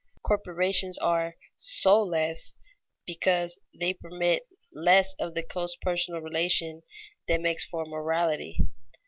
Corporations are "soulless" because they permit less of the close personal relation that makes for morality.